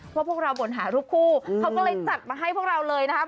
พวกเราบ่นหารูปคู่เขาก็เลยจัดมาให้พวกเราเลยนะครับ